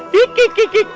hih hih hih hih